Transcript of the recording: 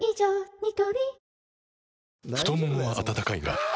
ニトリ太ももは温かいがあ！